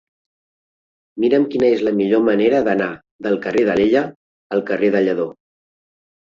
Mira'm quina és la millor manera d'anar del carrer d'Alella al carrer de Lledó.